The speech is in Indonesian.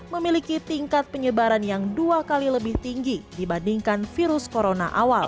memiliki tingkat penyebaran yang dua kali lebih tinggi dibandingkan virus corona awal